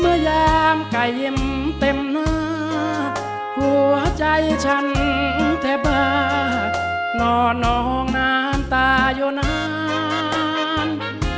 เมื่อย่างใกล้ยิ้มเต็มหน้าหัวใจฉันเท่าบาดงอนองนานตายอยู่นาน